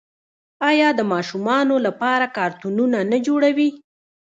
آیا د ماشومانو لپاره کارتونونه نه جوړوي؟